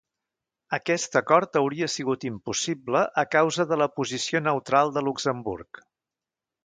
Aquest acord hauria sigut impossible a causa de la posició neutral de Luxemburg.